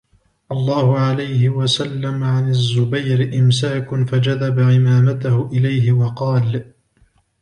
اللَّهُ عَلَيْهِ وَسَلَّمَ عَنْ الزُّبَيْرِ إمْسَاكٌ فَجَذَبَ عِمَامَتَهُ إلَيْهِ وَقَالَ